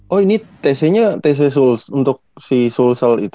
oh ini tc nya tc untuk si sulsel itu